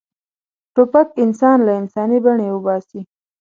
توپک انسان له انساني بڼې وباسي.